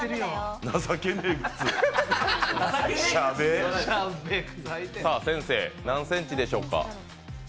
情けねー靴先生、何センチでしょうか。